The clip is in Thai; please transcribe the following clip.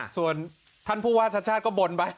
ส่วนท่านผู้ว่าชัดก็บ่นไป